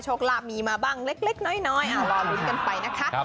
ลาบมีมาบ้างเล็กน้อยรอลุ้นกันไปนะคะ